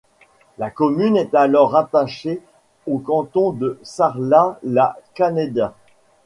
La commune est alors rattachée au canton de Sarlat-la-Canéda.